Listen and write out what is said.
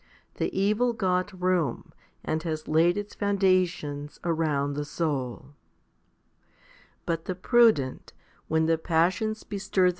3 The evil got room, and has laid its foundations around the soul. 51. But the prudent, when the passions bestir themselves, 1 i Cor.